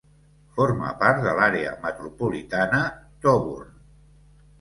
Forma part de l'àrea metropolitana d'Auburn.